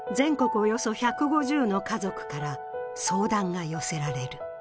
およそ１５０の家族から相談が寄せられる。